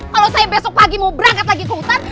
kalau saya besok pagi mau berangkat lagi ke hutan